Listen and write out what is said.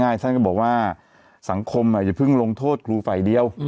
ใช่ท่านก็บอกว่าสังคมอย่าเพิ่งลงโทษครูฝ่ายเดียว